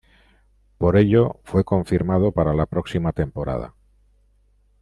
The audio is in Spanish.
Por ello, fue confirmado para la próxima temporada.